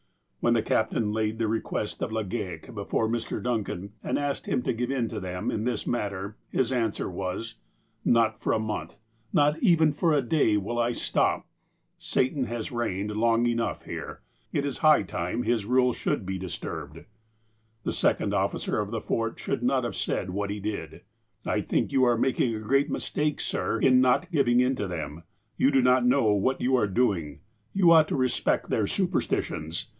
When the captain laid the request of Legale before Mr. Duncan, and asked him to give in to them in this matter, his answer was :'' Not for a month, nor even for a day will I stop. Satan has reigned long enough here. It is high time his rule should be disturbed." The second officer of the Fort should not have said what he did :*' I think you are making a great mistake, sir, in not giving in to them. You do not know what you are doing. Tou ought to respect their superstitions.